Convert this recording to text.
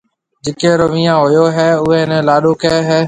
جيڪيَ رو ويهان هوئي هيَ اوئي نَي لاڏو ڪهيَ هيَ۔